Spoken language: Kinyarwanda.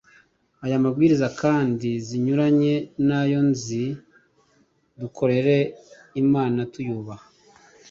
Aya mabwiriza kandi zinyuranyije nayozi dukorera imana tuyubaha